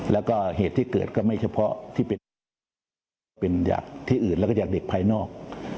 แล้วก็เหตุที่เกิดก็ไม่เฉพาะที่เป็นจากที่อื่นแล้วก็จากเด็กภายนอก